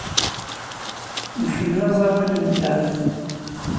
Nḥemmel aẓawan n jazz.